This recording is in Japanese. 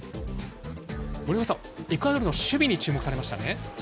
森岡さんはエクアドルの守備に注目されましたね。